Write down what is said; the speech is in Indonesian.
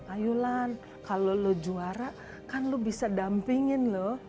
ayulan kalau lu juara kan lu bisa dampingin loh